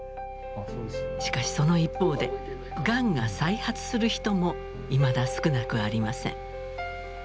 しかしその一方でがんが再発する人もいまだ少なくありません。